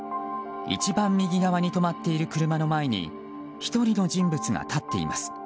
一番右側に止まっている車の前に１人の人物が立っています。